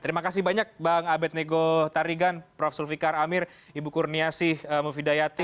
terima kasih banyak bang abed nego tarigan prof zulfikar amir ibu kurniasih mufidayati